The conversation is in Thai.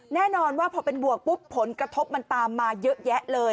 แน่นอนว่าพอเป็นบวกปุ๊บผลกระทบมันตามมาเยอะแยะเลย